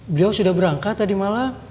beliau sudah berangkat tadi malam